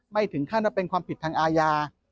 ไม่ถึงขั้นว่าเป็นความผิดทางอาญา